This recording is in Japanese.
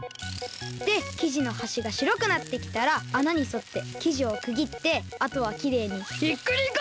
できじのはしがしろくなってきたらあなにそってきじをくぎってあとはきれいにひっくりかえす！